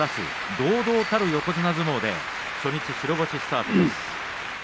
堂々たる横綱相撲初日白星スタート。